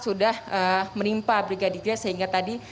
sudah menimpa brigadir j sehingga tadi